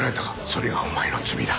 それがお前の罪だ。